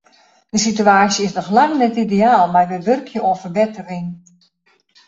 De situaasje is noch lang net ideaal, mar wy wurkje oan ferbettering.